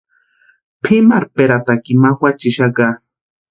Pʼimarhperatakini ma juachixaka.